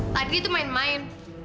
tadi itu main main